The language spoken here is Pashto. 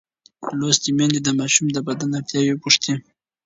لوستې میندې د ماشوم د بدن اړتیاوې پوښتي.